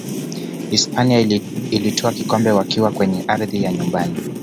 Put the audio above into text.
hispania ilitwaa kikombe wakiwa kwenye ardhi ya nyumbani